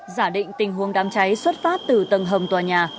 giả định tình huống đám cháy xuất phát từ tầng hầm tòa nhà